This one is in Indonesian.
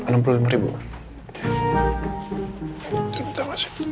tunggu sebentar mas